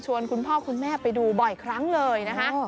ชวนคุณพ่อคุณแม่ไปดูบ่อยครั้งเลย